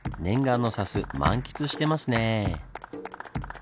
念願の砂州満喫してますね！